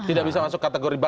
tidak bisa masuk kategori